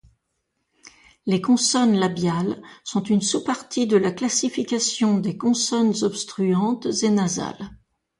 Les consonnes labiales sont une sous-partie de la classification des consonnes obstruantes et nasales.